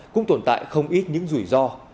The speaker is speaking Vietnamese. cũng tồn tại không ít những rủi ro